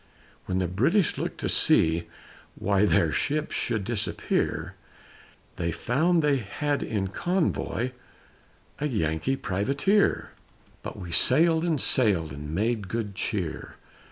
When the British looked to see Why their ships should disappear, They found they had in convoy A Yankee Privateer. But we sailed and sailed And made good cheer!